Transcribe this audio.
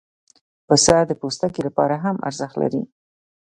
پسه د پوستکي لپاره هم ارزښت لري.